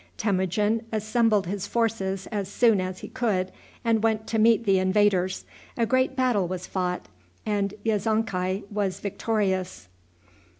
Temujin assembled his forces as soon as he could, and went to meet the invaders. A great battle was fought, and Yezonkai was victorious.